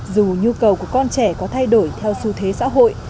dù nhu cầu của con trẻ có thay đổi theo xu thế xã hội